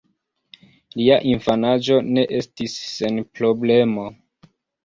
Lia infanaĝo ne estis sen problemo.